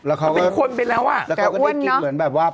เขาเป็นคนไปแล้วอ่ะแล้วเขาก็ได้กินเหมือนแบบว่า